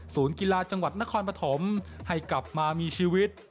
กีฬาจังหวัดนครปฐมให้กลับมามีชีวิต